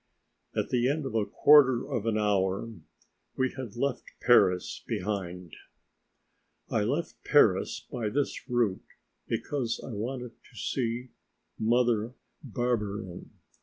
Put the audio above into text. At the end of a quarter of an hour, we had left Paris behind. I left Paris by this route because I wanted to see Mother Barberin.